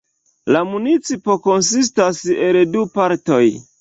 La municipo konsistas el du partoj.